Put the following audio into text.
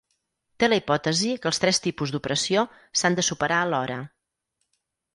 Té la hipòtesi que els tres tipus d'opressió s'han de superar alhora.